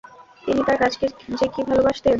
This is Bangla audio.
তিনি তার কাজকে যে কী ভালবাসতেন!